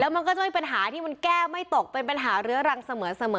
มันก็จะมีปัญหาที่มันแก้ไม่ตกเป็นปัญหาเรื้อรังเสมอ